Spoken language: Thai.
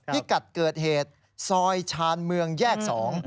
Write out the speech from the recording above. พี่กัดเกิดเหตุซอยชานเมืองแยกสอง